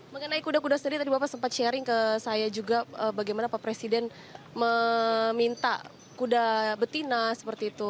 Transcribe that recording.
mengenai kuda kuda sendiri tadi bapak sempat sharing ke saya juga bagaimana pak presiden meminta kuda betina seperti itu